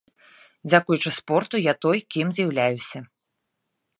Дзякуючы спорту я той, кім з'яўляюся.